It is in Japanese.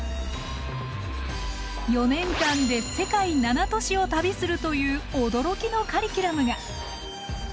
４年間で世界７都市を旅するという驚きのカリキュラムが！